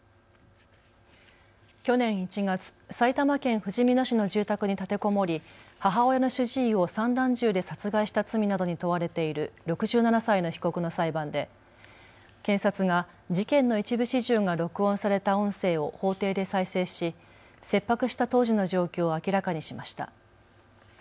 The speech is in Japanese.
去年１月、埼玉県ふじみ野市の住宅に立てこもり母親の主治医を散弾銃で殺害した罪などに問われている６７歳の被告の裁判で検察が事件の一部始終が録音された音声を法廷で再生し切迫した当時の状況を明らかにしました。